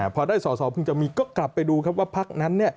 พอได้สอสอเพิ่งจะมีก็กลับไปดูครับว่าพักนั้น